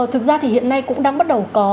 thực ra thì hiện nay cũng đang bắt đầu có